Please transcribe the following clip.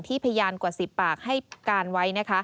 พยานกว่า๑๐ปากให้การไว้